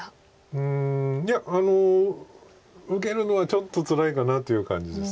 うんいや受けるのはちょっとつらいかなという感じです。